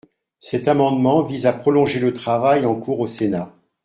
Cet amendement vise à prolonger le travail en cours au Sénat.